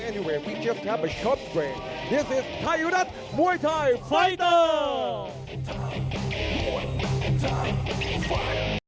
ไทยรัฐมวยไทยไฟเตอร์